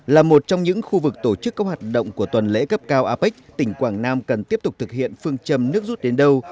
là một trong những khu vực tổ chức các hoạt động của tuần lễ cấp cao apec tỉnh quảng nam cần tiếp tục thực hiện phương châm nước rút đến đâu